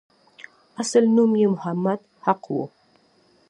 اصل نوم یې محمد حق وو.